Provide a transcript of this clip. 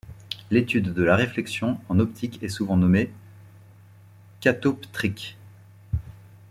L'étude de la réflexion en optique est souvent nommée catoptrique.